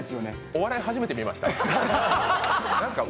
お笑い初めて見ました？